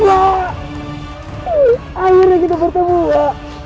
akhirnya kita bertemu wak